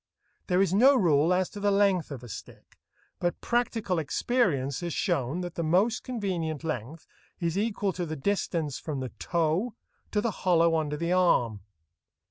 There is no rule as to the length of a stick, but practical experience has shown that the most convenient length is equal to the distance from the toe to the hollow under the arm.